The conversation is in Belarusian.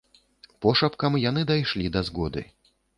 Пошапкам яны дайшлі да згоды.